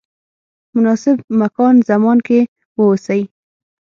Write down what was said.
مناسب مکان زمان کې واوسئ.